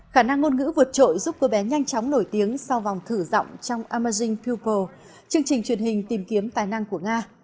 khả năng ngôn ngữ vượt trội giúp cô bé nhanh chóng nổi tiếng sau vòng thử giọng trong amazing fople chương trình truyền hình tìm kiếm tài năng của nga